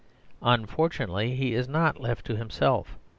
Unfortunately, he is not left to himself.